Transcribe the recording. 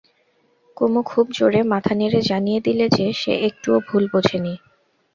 কুমু খুব জোরে মাথা নেড়ে জানিয়ে দিলে যে, সে একটুও ভুল বোঝে নি।